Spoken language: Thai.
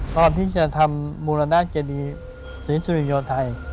ตอนที่จะทำมูลนาจดีศิษย์สุริยธัย